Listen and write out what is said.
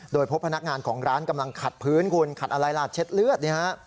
โดยพบพนักงานของร้านกำลังขัดพื้นคุณขัดอะไรล่ะเช็ดเลือดเนี่ยฮะ